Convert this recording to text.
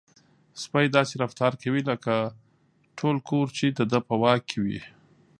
سپی داسې رفتار کوي لکه ټول کور چې د ده په واک کې وي.